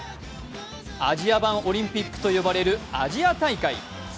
アジア版オリンピックと呼ばれるアジア大会。